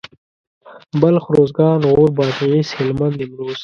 بلخ اروزګان غور بادغيس هلمند نيمروز